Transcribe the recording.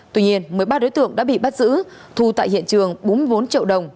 tuy nhiên một mươi ba đối tượng đã bị bắt giữ thu tại hiện trường bốn mươi bốn triệu đồng